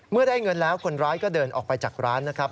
เมื่อได้เงินแล้วคนร้ายก็เดินออกไปจากร้านนะครับ